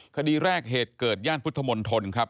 คดีแรกเหตุเกิดย่านพุทธมนตรครับ